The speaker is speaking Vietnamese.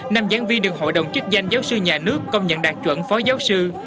năm giảng viên được hội đồng chức danh giáo sư nhà nước công nhận đạt chuẩn phó giáo sư